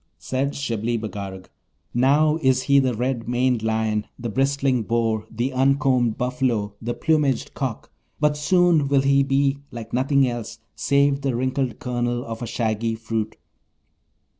Said Shibli Bagarag, 'Now is he the red maned lion, the bristling boar, the uncombed buffalo, the plumaged cock, but soon will he be like nothing else save the wrinkled kernel of a shaggy fruit.